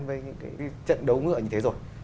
với những trận đấu ngựa như thế rồi